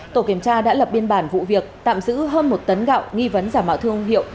tổ kiểm tra đã lập biên bản vụ việc tạm giữ hơn một tấn gạo nghi vấn giả mạo thương hiệu